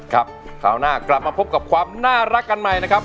ครับคราวหน้ากลับมาพบกับความน่ารักกันใหม่นะครับ